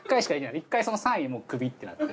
１回その３位でクビってなって。